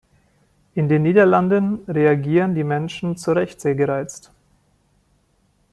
In den Niederlanden reagieren die Menschen zu Recht sehr gereizt.